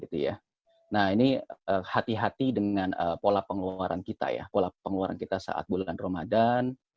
nah ini hati hati dengan pola pengeluaran kita saat bulan ramadan